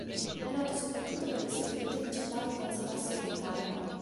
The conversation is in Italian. È noto soprattutto per le sue vedute di città dei Paesi Bassi orientale.